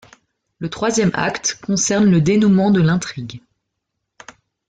Le troisième acte concerne le dénouement de l'intrigue.